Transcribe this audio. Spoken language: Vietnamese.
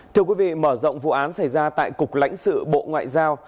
thưa quý vị mở rộng vụ án xảy ra tại cục lãnh sự bộ ngoại giao